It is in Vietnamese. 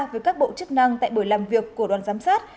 với các bộ chức năng tại buổi làm việc của đoàn giám sát